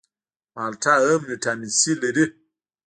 مالټه هم ویټامین سي لري